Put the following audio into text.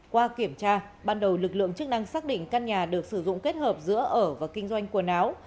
qua kiểm tra ban đầu lực lượng chức năng xác định căn nhà được sử dụng kết hợp giữa ở và kinh doanh quần áo